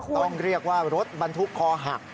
ต้องเรียกว่ารถบรรทุกคอหัก